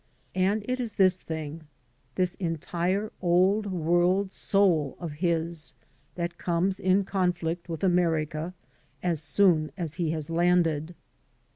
And it is this thing — ^this entire Old World soul of his — ^that comes in conflict with America as soon as he has landed.